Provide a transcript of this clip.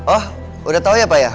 oh udah tahu ya pak ya